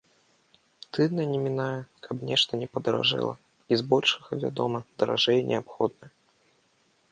Тыдня не мінае, каб нешта не падаражэла, і збольшага, вядома, даражэе неабходнае.